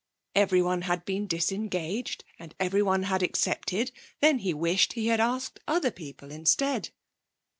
Everyone had been disengaged and everyone had accepted then he wished he had asked other people instead.